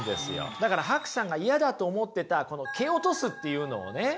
だからＨＡＫＵさんが嫌だと思ってたこの蹴落とすっていうのをね